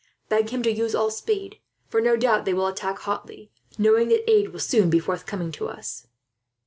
Beg him to use all speed, for no doubt they will attack hotly, knowing that aid will soon be forthcoming to us."